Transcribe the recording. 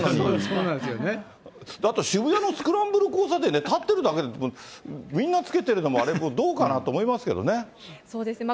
あと渋谷のスクランブル交差点で、立ってるだけでも、みんな着けてるのもあれ、そうですね。